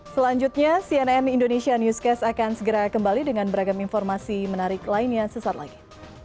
selanjutnya cnn indonesia newscast akan segera kembali dengan beragam informasi menarik lainnya sesaat lagi